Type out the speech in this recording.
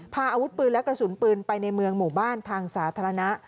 พาอาวุธปืนและกระสุนปืนไปในเมืองหมู่บ้านทางสาธารณะ